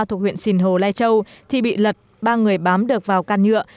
thuộc huyện sìn hồ lai châu thì bị lật ba người bám được vào can nhựa